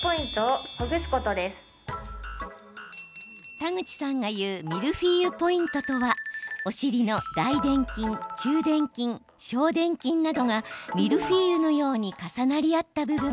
田口さんが言うミルフィーユポイントとはお尻の大でん筋、中でん筋小でん筋などがミルフィーユのように重なりあった部分。